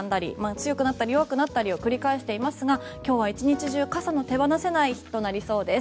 強くなったり弱くなったりを繰り返していますが今日は１日中、傘の手放せない日となりそうです。